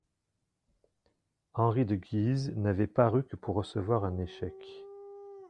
Henri de Guise n'avait paru que pour recevoir un échec.